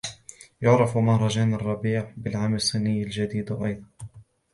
يعرف " مهرجان الربيع " بالعام الصيني الجديد أيضاً.